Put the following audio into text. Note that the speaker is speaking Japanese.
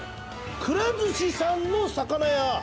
くら寿司さんの魚屋？